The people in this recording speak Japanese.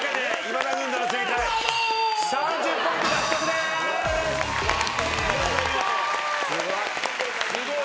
すごい。